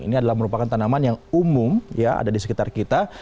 ini adalah merupakan tanaman yang umum ya ada di sekitar kita